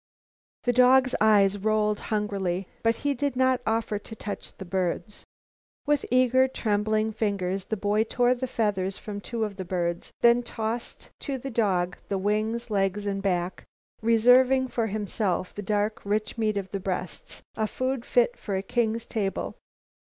The dog's eyes rolled hungrily, but he did not offer to touch the birds. With eager, trembling fingers the boy tore the feathers from two of the birds, then tossed to the dog the wings, legs and back, reserving for himself the dark, rich meat of the breasts, a food fit for a king's table.